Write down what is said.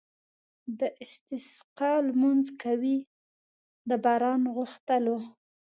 د استسقا لمونځ کوي د باران غوښتلو.